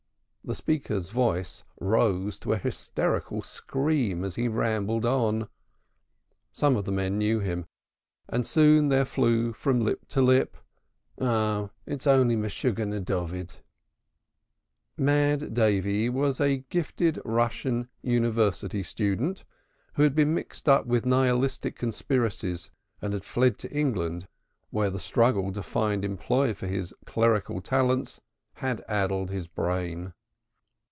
The speaker's voice rose to a hysterical scream, as he rambled on. Some of the men knew him and soon there flew from lip to lip, "Oh, it's only Meshuggene David." Mad Davy was a gifted Russian university student, who had been mixed up with nihilistic conspiracies and had fled to England where the struggle to find employ for his clerical talents had addled his brain.